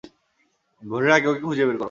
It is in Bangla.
ভোরের আগে ওকে খুঁজে বের কর।